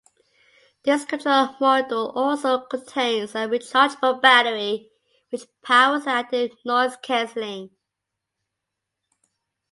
This control module also contains a rechargeable battery which powers the active noise-cancelling.